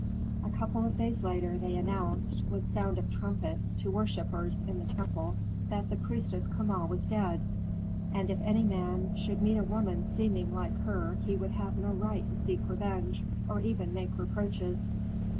A couple of days later they announced, with sound of trumpet, to worshippers in the temple that the priestess Kama was dead, and if any man should meet a woman seeming like her he would have no right to seek revenge or even make reproaches.